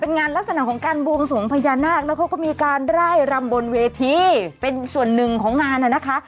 เป็นงานลักษณะของการบวงสวงพญานาคแล้วเขาก็มีการร่ายรำบนเวทีเป็นส่วนหนึ่งของงานน่ะนะคะ